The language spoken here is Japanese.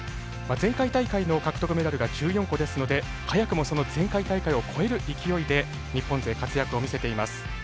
前回大会の獲得メダルが１４個ですので早くも前回大会を超える勢いで日本勢、活躍を見せています。